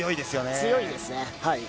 強いですね。